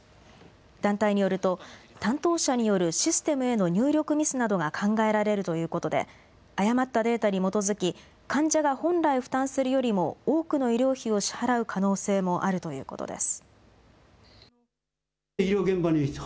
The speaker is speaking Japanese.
団体によると担当者によるシステムへの入力ミスなどが考えられるということで誤ったデータに基づき患者が本来負担するよりも多くの医療費を支払う可能性もあるということです。